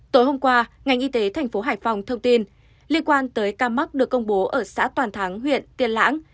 tối hôm qua ngành y tế thành phố hải phòng thông tin liên quan tới ca mắc được công bố ở xã toàn thắng huyện tiên lãng